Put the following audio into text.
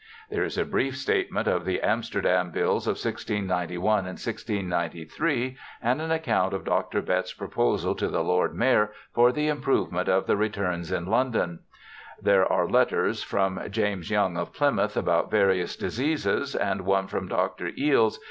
There is a brief statement of the Amsterdam bills of i6gi and 1693, and an account of Dr. Bett's proposal to the Lord Mayor for the improvement of the returns in London. There are letters from James Young of Plymouth about various diseases, and one from Dr. Eales